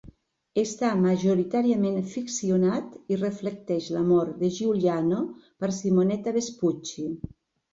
Està majoritàriament ficcionat i reflecteix l'amor de Giuliano per Simonetta Vespucci.